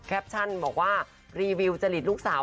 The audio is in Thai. ชั่นบอกว่ารีวิวจริตลูกสาว